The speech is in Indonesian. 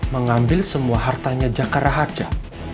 mengambil semua hartanya jakarahaja